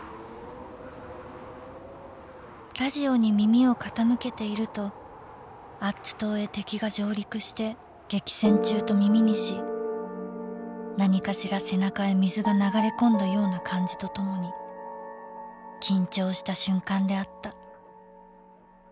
「ラジオに耳をかたむけているとアッツ島へ敵が上陸して激戦中と耳にし何かしら背中へ水が流れ込んだ様な感じと共に緊張した瞬間であった」。